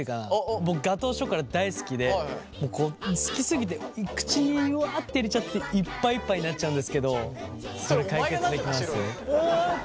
僕ガトーショコラ大好きで好きすぎて口にわあって入れちゃっていっぱいいっぱいになっちゃうんですけどそれ解決できます？